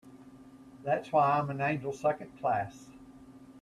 That's why I'm an angel Second Class.